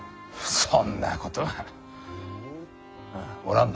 そんなことはうんおらんな。